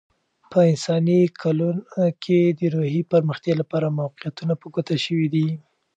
په انساني کلونه کې، د روحي پرمختیا لپاره موقعیتونه په ګوته شوي دي.